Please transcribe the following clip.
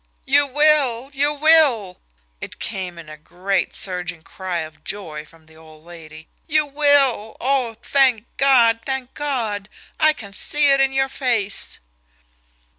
"You will! You will!" It came in a great surging cry of joy from the old lady. "You will oh, thank God, thank God! I can see it in your face!"